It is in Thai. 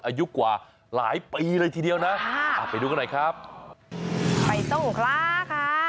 อายุกว่าหลายปีเลยทีเดียวนะไปดูกันหน่อยครับไปสู้คล้าค่ะ